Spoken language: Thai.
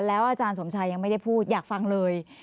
อาจารย์สมชัยยังไม่ได้พูดอยากฟังเลย